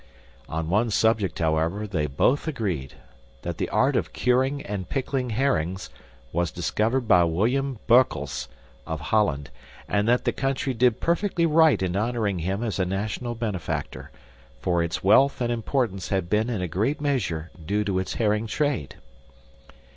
On one subject, however, they both agreed: that the art of curing and pickling herrings was discovered by William Beukles of Holland, and that the country did perfectly right in honoring him as a national benefactor, for its wealth and importance had been in a great measure due to its herring trade.